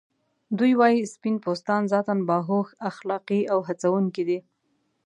دوی وايي سپین پوستان ذاتاً باهوښ، اخلاقی او هڅونکي دي.